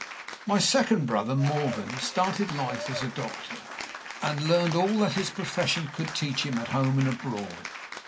My second brother, Morgan, started in life as a doctor, and learned all that his profession could teach him at home and abroad.